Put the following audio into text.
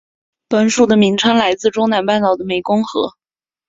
本属的名称来自中南半岛的湄公河。